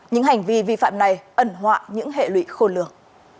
những hành vi vi phạm này ẩn họa những hệ lụy khôn lường